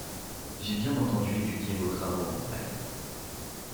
J’ai bien entendu étudié vos travaux en détail